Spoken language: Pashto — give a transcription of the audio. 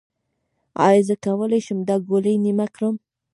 ایا زه کولی شم دا ګولۍ نیمه کړم؟